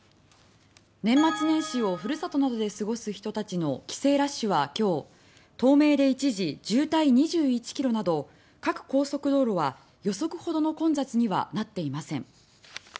年末年始をふるさとなどで過ごす人たちの帰省ラッシュは今日東名で一時、渋滞２１ｋｍなど各高速道路は予測ほどの混雑にはなっていません。